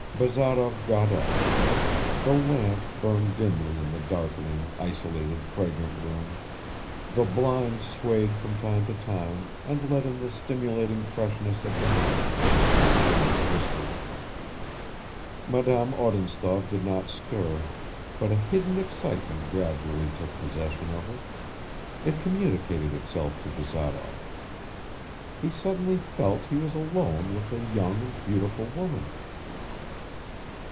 Bazarov got up. The lamp burned dimly in the darkening, isolated fragrant room; the blind swayed from time to time and let in the stimulating freshness of the night and its mysterious whispers. Madame Odintsov did not stir, but a hidden excitement gradually took possession of her ... It communicated itself to Bazarov. He suddenly felt he was alone with a young and beautiful woman